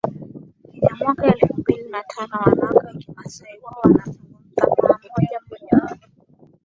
Kenyamwaka elfu mbili na tano Wanawake wa Kimasai Wao wanazungumza Maa moja mojawapo